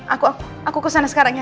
aku aku kesana sekarang ya